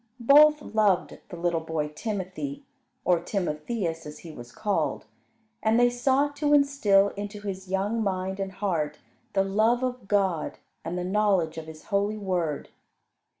Both loved the little boy Timothy, or Timotheus as he was called, and they sought to instil into his young mind and heart the love of God and the knowledge of His holy Word.